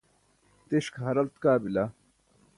tiṣ ke haralt kaa bila